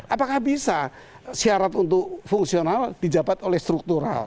apakah bisa syarat untuk fungsional dijabat oleh struktural